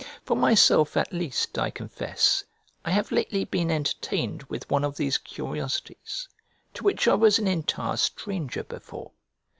For myself at least, I confess, I have lately been entertained with one of these curiosities, to which I was an entire stranger before.